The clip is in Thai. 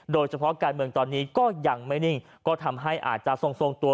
โดยเฉพาะการเมืองตอนนี้ก็ยังไม่นิ่งก็ทำให้อาจจะทรงตัว